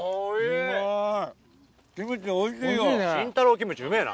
キムチおいしいよ。